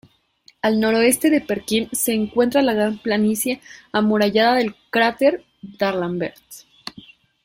Al noroeste de Perkin se encuentra la gran planicie amurallada del cráter D'Alembert.